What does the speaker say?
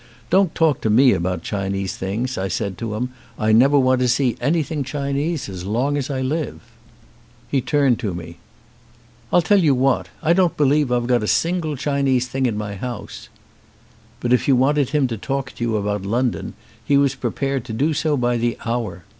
Don't talk to me about Chinese things, I said to 'em. I never want to see anything Chinese as long as I live." 212 ONE OF THE BEST He turned to me. "I'll tell you what, I don't believe I've got a single Chinese thing in my house." But if you wanted him to talk to you about London he was prepared to do so by the hour.